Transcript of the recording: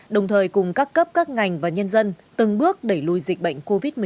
đồng thời cùng các cấp các ngành và nhân dân từng bước đẩy lùi dịch bệnh covid một mươi chín